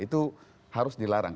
itu harus dilarang